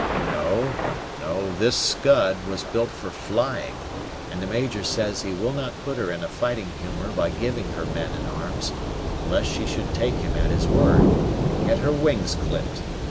No, no; this Scud was built for flying, and the major says he will not put her in a fighting humor by giving her men and arms, lest she should take him at his word, and get her wings clipped.